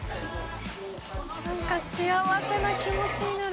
何か幸せな気持ちになる。